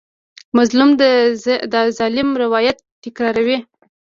مظلوم د ظالم روایت تکراروي.